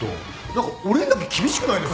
何か俺にだけ厳しくないですか？